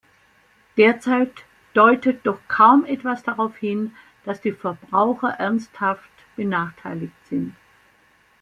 Derzeit deutet doch kaum etwas darauf hin, dass die Verbraucher ernsthaft benachteiligt sind.